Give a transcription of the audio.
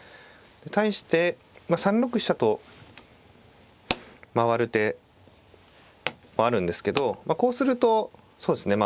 対して３六飛車と回る手もあるんですけどこうするとそうですね。